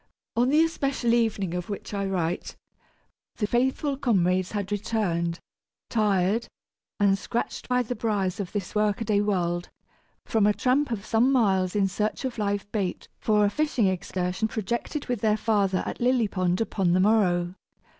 On the especial evening of which I write, the faithful comrades had returned, tired, and scratched by the briers of this work a day world, from a tramp of some miles in search of live bait for a fishing excursion projected with their father at Lily Pond upon the morrow.